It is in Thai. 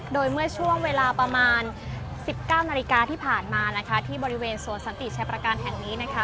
โดยเมื่อช่วงเวลาประมาณ๑๙นาฬิกาที่ผ่านมานะคะที่บริเวณสวนสันติชัยประการแห่งนี้นะคะ